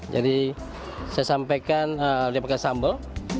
jadi saya sampaikan dia pakai sambal